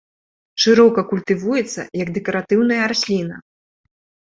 Шырока культывуецца як дэкаратыўная расліна.